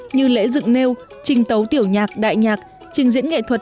như lễ dựng nêu trình tấu tiểu nhạc đại nhạc trình diễn nghệ thuật